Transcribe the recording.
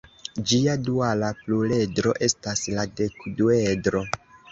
Ĝia duala pluredro estas la dekduedro.